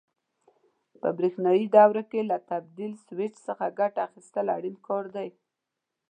په برېښنایي دوره کې له تبدیل سویچ څخه ګټه اخیستل اړین کار دی.